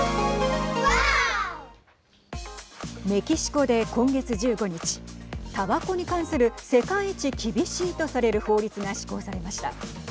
メキシコで今月１５日たばこに関する世界一厳しいとされる法律が施行されました。